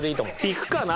いくかな。